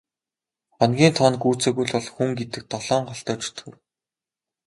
Хоногийн тоо нь гүйцээгүй л бол хүн гэдэг долоон голтой чөтгөр.